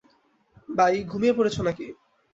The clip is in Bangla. বাই, ঘুমিয়ে পড়েছো নাকি?